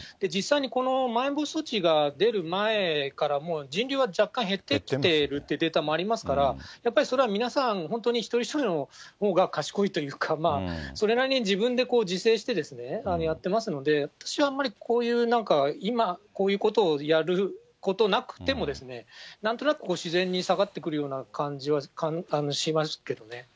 実際にこのまん延防止措置が出る前からも、人流は若干減ってきているというデータもありますから、やっぱりそれは皆さん、本当に一人一人のほうが賢いというか、それなりに自分で自制してやってますので、私はあんまりこういうなんか、今こういうことをやることなくても、なんとなく自然に下がってくるような感じはしますけどね。